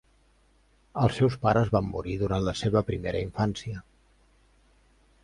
Els seus pares van morir durant la seva primera infància.